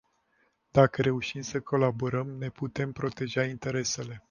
Dacă reușim să colaborăm, ne putem proteja interesele.